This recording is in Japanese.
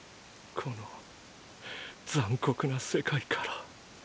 この残酷な世界から。